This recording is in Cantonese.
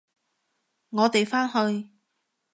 我哋返去！